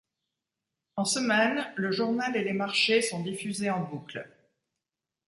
En semaine, Le Journal et Les Marchés sont diffusés en boucle.